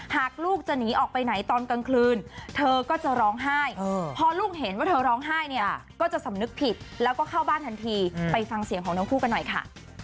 หากลูกจะหนีออกไปไหนตอนกลางคืนเธอก็จะร้องไห้พอลูกเห็นว่าเธอร้องไห้เนี่ยก็จะสำนึกผิดแล้วก็เข้าบ้านทันทีไปฟังเสียงของทั้งคู่กันหน่อยค่ะ